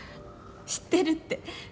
知ってるって。